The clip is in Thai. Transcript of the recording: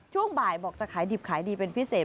ช่วงบ่ายบอกจะขายดิบขายดีเป็นพิเศษ